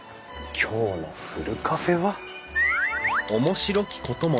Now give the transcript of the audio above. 今日のふるカフェは。